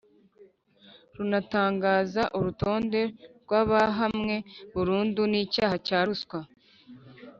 runatangaza urutonde rw’abahamwe burundu n’icyaha cya ruswa